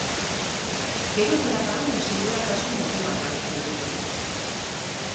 Bero-bolada hau singulartasun moduan hartzen dute.